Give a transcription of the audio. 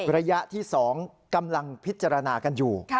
ระยะที่๒กำลังพิจารณากันอยู่